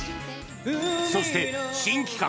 そして新企画！